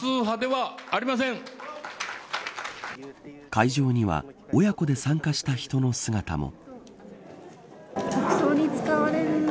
会場には親子で参加した人の姿も。